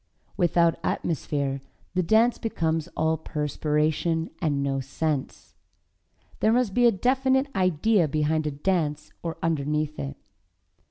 Without atmosphere the dance becomes all perspiration and no sense. There must be a definite idea behind a dance or underneath it.